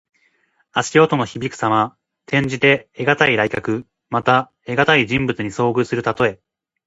足音のひびくさま。転じて、得難い来客。また、得難い人物に遭遇するたとえ。